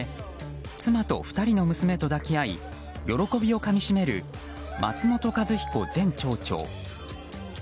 妻と２人の娘と抱き合い喜びをかみ締める松本一彦前町長。